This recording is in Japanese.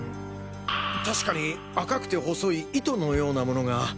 たしかに赤くて細い糸のようなものが。